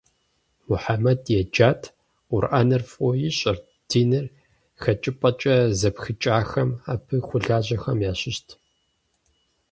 Мухьэмэд еджат, Къурӏэнр фӏыуэ ищӏэрт, диныр хьэкъыпӏэкӏэ зыпхыкӏахэм, абы хуэлажьэхэм ящыщт.